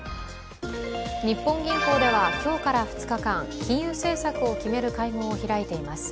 日本銀行では今日から２日間、金融政策を決める会合を開いています。